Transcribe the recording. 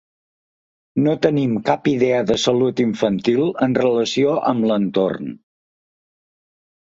No tenim cap idea de salut infantil en relació amb l’entorn.